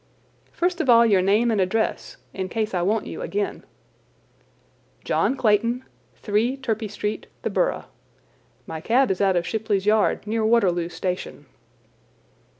"First of all your name and address, in case I want you again." "John Clayton, 3 Turpey Street, the Borough. My cab is out of Shipley's Yard, near Waterloo Station."